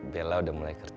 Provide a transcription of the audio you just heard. bella udah mulai kerja